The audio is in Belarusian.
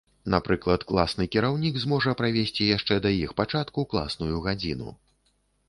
Напрыклад, класны кіраўнік зможа правесці яшчэ да іх пачатку класную гадзіну.